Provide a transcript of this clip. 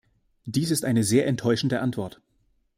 Dies ist eine sehr enttäuschende Antwort.